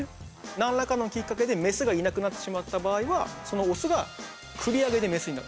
何らかのきっかけでメスがいなくなってしまった場合はそのオスが繰り上げでメスになるんですよ。